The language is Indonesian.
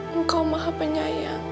engkau maha penyayang